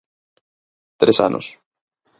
Tres anos.